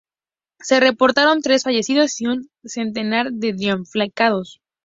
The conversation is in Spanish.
Se reportaron tres fallecidos y un centenar de damnificados.